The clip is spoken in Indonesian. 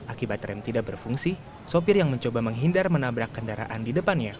akibat rem tidak berfungsi sopir yang mencoba menghindar menabrak kendaraan di depannya